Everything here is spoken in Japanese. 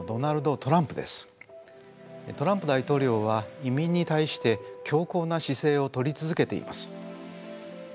トランプ大統領は移民に対して強硬な姿勢をとり続けています。